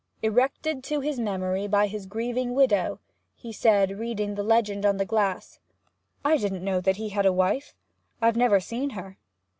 '"Erected to his memory by his grieving widow,"' he said, reading the legend on the glass. 'I didn't know that he had a wife; I've never seen her.'